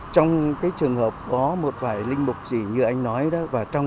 trong cái trường hợp có một vài linh mục gì như anh nói đó